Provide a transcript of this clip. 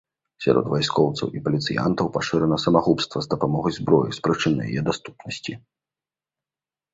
Сярод вайскоўцаў і паліцыянтаў пашырана самагубства з дапамогай зброі з прычыны яе даступнасці.